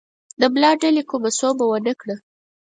د ملا ډلې کومه سوبه ونه کړه.